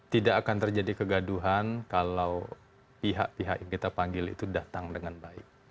tidak akan terjadi kegaduhan kalau pihak pihak yang kita panggil itu datang dengan baik